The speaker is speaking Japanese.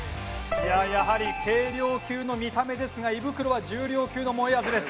やはり軽量級の見た目ですが胃袋は重量級のもえあずです。